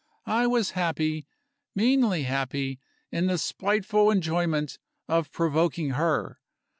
I was happy, meanly happy, in the spiteful enjoyment of provoking her.